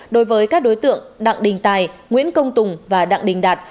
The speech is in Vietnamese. đối với các đối tượng đặng đình tài nguyễn công tùng và đặng đình đạt